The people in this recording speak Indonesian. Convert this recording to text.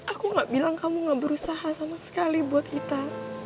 aku gak bilang kamu gak berusaha sama sekali buat kita